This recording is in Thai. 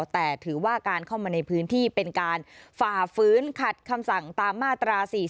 แต่ถือว่าการเข้ามาในพื้นที่เป็นการฝ่าฟื้นขัดคำสั่งตามมาตรา๔๔